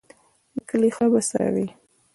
د کلي خره به څروي.